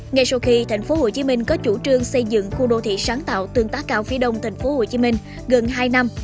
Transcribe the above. ngay sau khi tp hcm có chủ trương xây dựng khu đô thị sáng tạo tương tác cao phía đông tp hcm gần hai năm